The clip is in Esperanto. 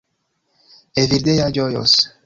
Evildea ĝojos